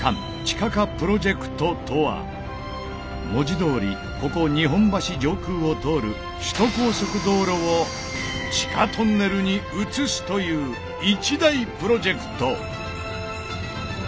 文字どおりここ日本橋上空を通る首都高速道路を地下トンネルに移すという一大プロジェクト。